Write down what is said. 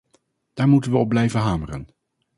Daar moeten we op blijven hameren.